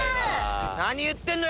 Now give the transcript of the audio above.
何言ってんの？